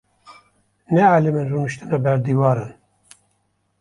Neelîmin rûniştina ber dîwaran.